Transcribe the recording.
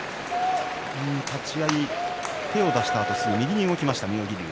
立ち合い、手を出したあとすぐ右に動きました妙義龍。